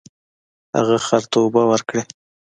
هغه خر ته اوبه ورکړې.